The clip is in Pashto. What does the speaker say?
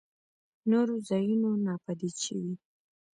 نورو ځايونو ناپديد شوي.